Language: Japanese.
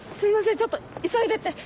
ちょっと急いでて。